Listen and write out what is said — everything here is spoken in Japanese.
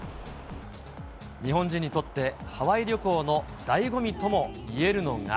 日本人にとって、ハワイ旅行のだいご味ともいえるのが。